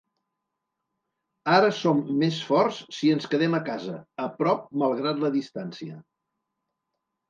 Ara som més forts si ens quedem a casa, a prop malgrat la distància.